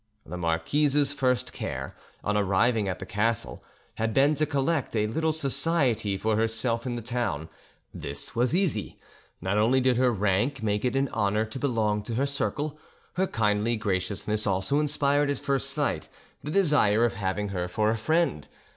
The marquise's first care, on arriving at the castle, had been to collect a little society for herself in the town. This was easy: not only did her rank make it an honour to belong to her circle, her kindly graciousness also inspired at first sight the desire of having her for a friend.